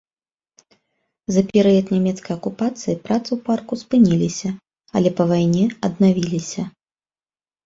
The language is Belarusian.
За перыяд нямецкай акупацыі працы ў парку спыніліся, але па вайне аднавіліся.